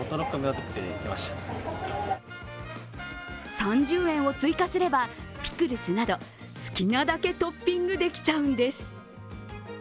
３０円を追加すればピクルスなど好きなだけトッピングできちゃうんです。